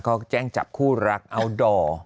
เขาแจ้งจับคู่รักอัลดอร์